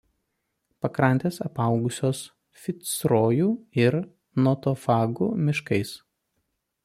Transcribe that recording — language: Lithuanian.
Pakrantės apaugusios ficrojų ir notofagų miškais.